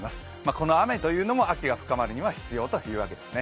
この雨というのも秋が深まるのには必要というわけです。